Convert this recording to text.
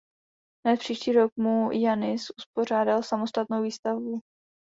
Hned příští rok mu Janis uspořádal samostatnou výstavu.